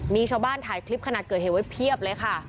มีชาวบ้านถ่ายคลิปขณะเกิดเหตุไว้เพียบเลยค่ะ